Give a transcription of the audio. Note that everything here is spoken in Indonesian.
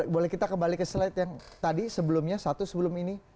boleh kita kembali ke slide yang tadi sebelumnya satu sebelum ini